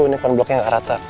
ini kan bloknya nggak rata